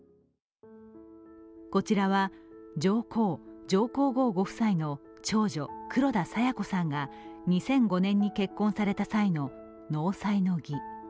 こちらは、上皇・上皇后ご夫妻の長女黒田清子さんが２０１５年に結婚された際の納采の儀。